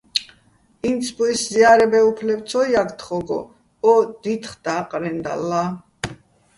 ინცბუჲსო̆ ზია́რებეჼ უფლებ ცო ჲაგე̆ თხო́გო ო დითხ და́ყრენდალლა.